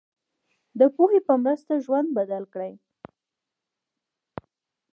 د پوهې په مرسته ژوند بدل کړئ.